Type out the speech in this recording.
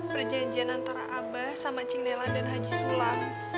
perjanjian antara abah sama cing nelan dan haji sulam